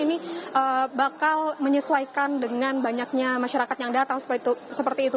ini bakal menyesuaikan dengan banyaknya masyarakat yang datang seperti itu